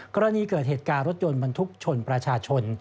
กรณีเกิดเหตุการณ์รถยนต์บรรทุกชนประชาชน